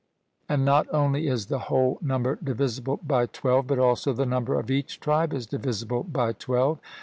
And not only is the whole number divisible by twelve, but also the number of each tribe is divisible by twelve.